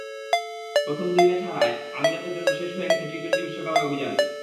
প্রথম দুই ম্যাচ হারায় আমিরাতের জন্য শেষ হয়ে গেছে টি-টোয়েন্টি বিশ্বকাপের অভিযান।